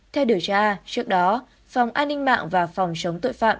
theo điều tra trước đó phòng an ninh mạng và phòng sống tổ chức đánh bạc